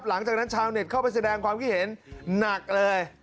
หลังจากนั้นชาวเน็ตเข้าไปแสดงความคิดเห็นหนักเลย